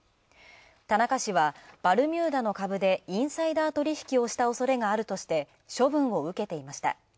田中氏はバルミューダの株でインサイダー取り引きをしたおそれがあるとして処分を受けていました。